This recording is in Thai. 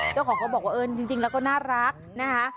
เจ้าของเขาบอกว่าเออจริงแล้วก็น่ารักนะคะ